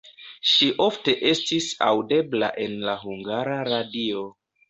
Ŝi ofte estis aŭdebla en la Hungara Radio.